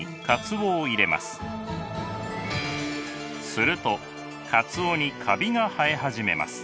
するとかつおにカビが生え始めます。